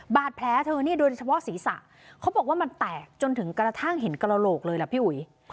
บาดแผลเธอนี่โดยเฉพาะศีรษะเขาบอกว่ามันแตกจนถึงกระทั่งเห็นกระโหลกเลยล่ะพี่อุ๋ย